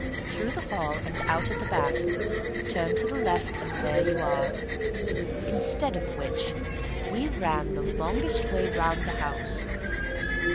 "Through the hall, and out at the back; turn to the left and there you are. Instead of which, we ran the longest way round the house.